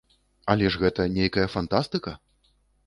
Але ж гэта нейкая фантастыка!